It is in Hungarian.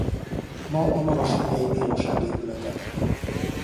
Ma a Maros Megyei Bíróság épülete.